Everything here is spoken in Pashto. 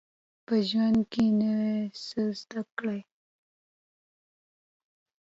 په ژوند کي نوی څه زده کړئ